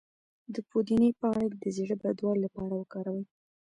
د پودینې پاڼې د زړه بدوالي لپاره وکاروئ